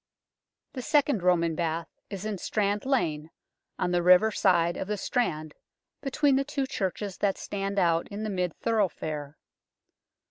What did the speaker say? The second Roman bath is in Strand Lane, on the river side of the Strand between the two churches that stand out in the mid thoroughfare.